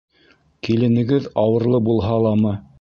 Киленегеҙ ауырлы булһа ламы?